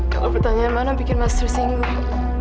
kalau pertanyaan mana bikin mas tersinggung